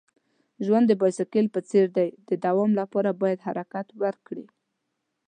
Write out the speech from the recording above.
ژوند د بایسکل په څیر دی. د دوام لپاره باید حرکت وکړې.